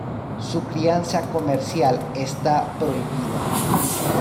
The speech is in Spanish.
Su crianza comercial está prohibida.